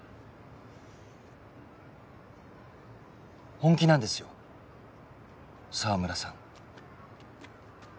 本気なんですよ澤村さん。